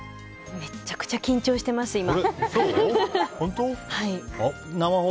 めっちゃくちゃ緊張してます今。